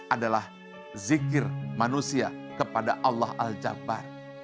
adalah zikir manusia kepada allah al jabbar